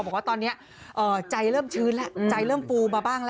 บอกว่าตอนนี้ใจเริ่มชื้นแล้วใจเริ่มปูมาบ้างแล้ว